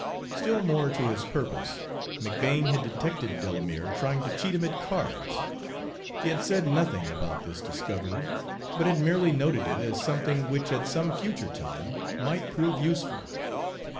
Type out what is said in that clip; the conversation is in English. Still more to his purpose, McBane had detected Delamere trying to cheat him at cards. He had said nothing about this discovery, but had merely noted it as something which at some future time might prove useful.